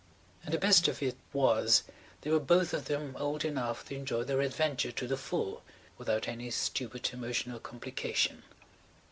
And the best of it was they were both of them old enough to enjoy their adventure to the full [Page 148] without any stupid emotional complication.